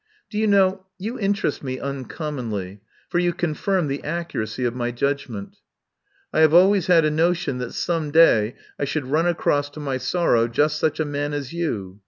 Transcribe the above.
Do you know you interest me uncommonly, for you confirm the accuracy of my judgment. I have always had a notion that some day I should run across to my sorrow just such a man as you.